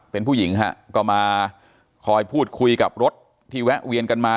เป็นผู้หญิงฮะก็มาคอยพูดคุยกับรถที่แวะเวียนกันมา